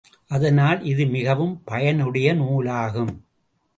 அதனால் இது மிகவும் பயனுடைய நூலாகும்.